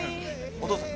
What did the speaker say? お父さん。